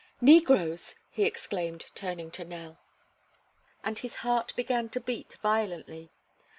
"Negroes!" he exclaimed, turning to Nell. And his heart began to beat violently.